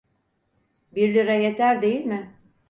Bir lira yeter değil mi?